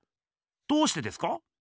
どうしてですか？